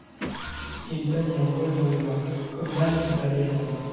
Et une bannière vole dans le vent, comme l'âne de la légende.